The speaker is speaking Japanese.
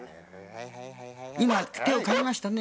今、手をかみましたね。